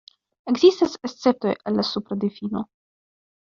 Ekzistas esceptoj al la supra difino.